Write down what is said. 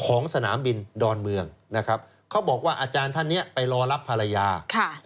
สนามบินดอนเมืองนะครับเขาบอกว่าอาจารย์ท่านเนี้ยไปรอรับภรรยาค่ะ